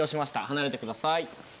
離れてください。